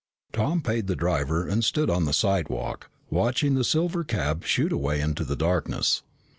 Tom paid the driver and stood on the sidewalk, watching the silver cab shoot away into the darkness.